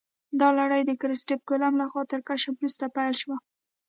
دا لړۍ د کریسټف کولمب لخوا تر کشف وروسته پیل شوه.